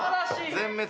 全滅。